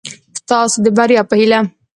ستاسو د بري په هېله